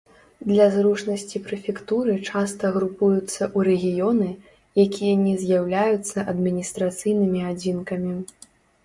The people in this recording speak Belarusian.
Для зручнасці прэфектуры часта групуюцца ў рэгіёны, якія не з'яўляюцца адміністрацыйнымі адзінкамі.